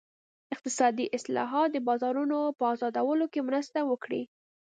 اقتصادي اصلاحات د بازارونو په ازادولو کې مرسته وکړي.